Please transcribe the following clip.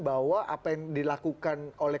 bahwa apa yang dilakukan oleh